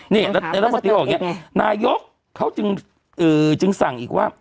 นี่ในรัฐมนตรีบอกอย่างนี้นายกเขาจึงสั่งอีกว่า